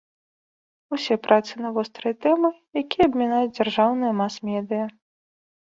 Усе працы на вострыя тэмы, якія абмінаюць дзяржаўныя мас-медыя.